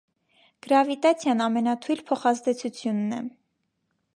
Գրավիտացիան ամենաթույլ փոխազդեցությունն է։